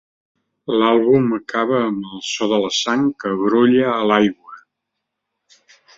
L'àlbum acaba amb el so de la sang que brolla a l'aigua.